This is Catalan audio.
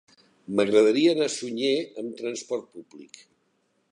M'agradaria anar a Sunyer amb trasport públic.